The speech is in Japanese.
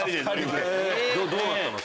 どうなったの？